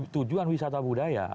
tujuan wisata budaya